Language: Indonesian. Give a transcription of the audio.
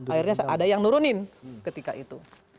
akhirnya ada yang nurunin ketika itu